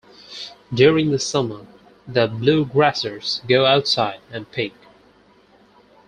During the summer, the bluegrassers go outside and pick.